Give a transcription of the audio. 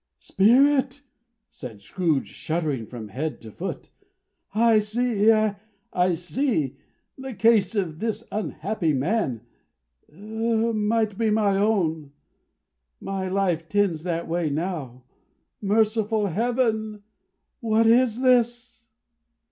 "Spirit!" said Scrooge, shuddering from head to foot, "I see, I see. The case of this unhappy man might be my own. My life tends that way, now. Merciful Heaven, what is this?"